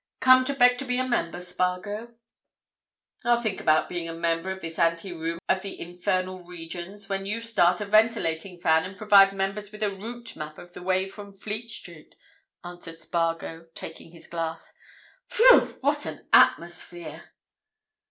Come to beg to be a member, Spargo?" "I'll think about being a member of this ante room of the infernal regions when you start a ventilating fan and provide members with a route map of the way from Fleet Street," answered Spargo, taking his glass. "Phew!—what an atmosphere!"